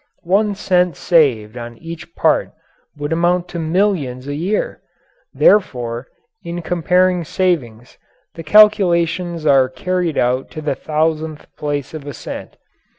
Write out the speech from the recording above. One cent saved on each part would amount to millions a year. Therefore, in comparing savings, the calculations are carried out to the thousandth part of a cent.